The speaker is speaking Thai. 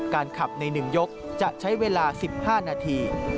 การขับในหนึ่งยกจะใช้เวลา๑๕นาที